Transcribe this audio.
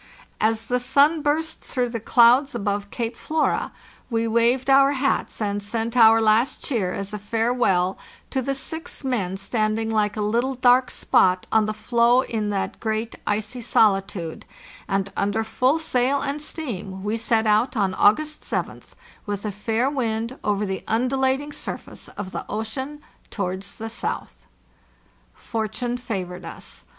As the THE JOURNEY SOUTHWARD 577 sun burst through the clouds above Cape Flora we waved our hats, and sent our last cheer as a farewell to the six men standing lke a little dark spot on the floe in that great icy solitude; and under full sail and steam we set out on August 7th, with a fair wind, over the un dulating surface of the ocean, towards the south. Fortune favored us.